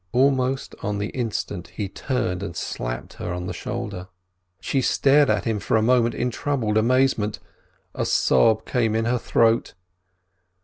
Almost on the instant he turned and slapped her on the shoulder. She stared at him for a moment in troubled amazement, a sob came in her throat.